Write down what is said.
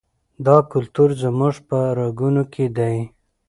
دا کلتور زموږ په رګونو کې دی.